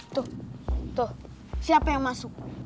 tuh siapa yang masuk